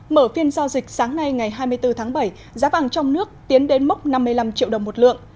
mở phiên giao dịch sáng nay ngày hai mươi bốn tháng bảy giá vàng trong nước tiến đến mốc năm mươi năm triệu đồng một lượng